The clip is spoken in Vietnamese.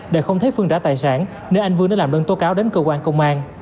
đều không thấy phương trả tài sản nên anh vương đã làm đơn tố cáo đến cơ quan công an